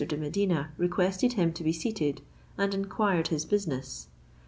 de Medina requested him to be seated, and inquired his business.